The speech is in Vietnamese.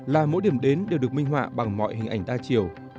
là mỗi điểm đến đều được minh họa bằng mọi hình ảnh đa chiều